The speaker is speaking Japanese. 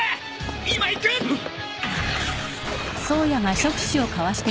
今行く！あっ！